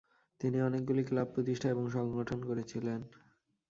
তিনি অনেকগুলি ক্লাব প্রতিষ্ঠা এবং সংগঠন করেছিলেন।